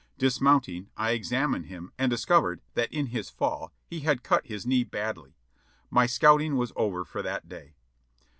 Dismounting. I examined him and discovered that in his fall he had cut his knee badly. My scouting was over for that day.